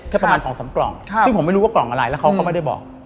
ประมาณ๒๓กล่องซึ่งผมไม่รู้ว่ากล่องอะไรแล้วเขาก็ไม่ได้บอก